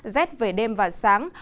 rét về đêm và sáng